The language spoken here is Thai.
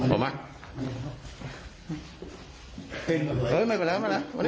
ออกมาดิ